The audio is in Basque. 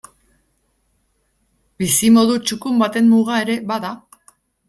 Bizimodu txukun baten muga ere bada.